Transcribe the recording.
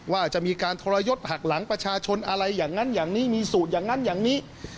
ว่าจะมีการทรยศหักหลังประชาชนอะไรอย่างนั้นอย่างนี้มีสูตรอย่างนั้นอย่างนี้